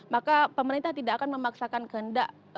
maka pemerintah tidak akan memaksakan kehendak